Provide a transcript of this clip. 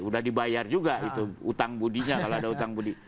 udah dibayar juga itu utang budinya kalau ada utang budi